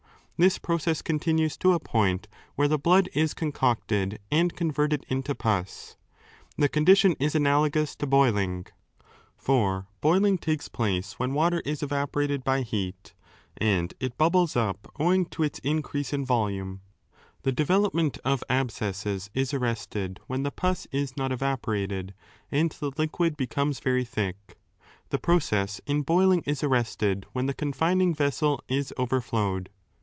This process continues to a point where the blood is 4 concocted and converted into pus. The condition is analogous to boiling. For boiling takes place when water is evaporated by heat, and it bubbles up owing to 326 CHAP. XX. MOVEMENTS OF THE HEART 327 its increase in volume. The development of abscesses is arrested when the pus is not evaporated and the liquid becomes very thick; the process in boiling is arrested 480 « when the confining vessel is overflowed.